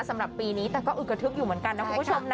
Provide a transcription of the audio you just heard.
สำหรับปีนี้แต่ก็อึกกระทึกอยู่เหมือนกันนะคุณผู้ชมนะ